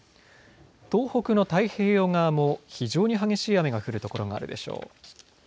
東北の太平洋側も非常に激しい雨が降る所があるでしょう。